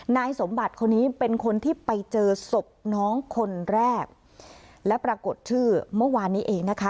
นายสมบัติคนนี้เป็นคนที่ไปเจอศพน้องคนแรกและปรากฏชื่อเมื่อวานนี้เองนะคะ